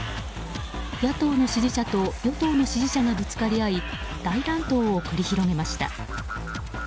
野党の支持者と与党の支持者がぶつかり合い大乱闘を繰り広げました。